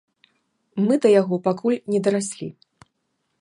Мы да яго пакуль не дараслі.